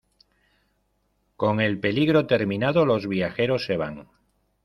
Con el peligro terminado, los viajeros se van.